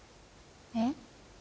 えっ？